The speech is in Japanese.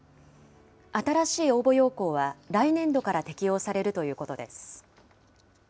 新しい応募要項は来年度から適用されるということです。